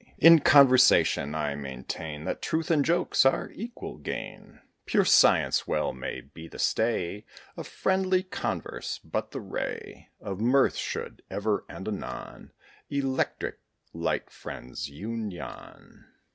In conversation, I maintain That truth and jokes are equal gain. Pure science well may be the stay Of friendly converse; but the ray Of mirth should, ever and anon, Electric, light friends' union.